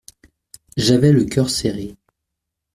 J'avais le cœur serré.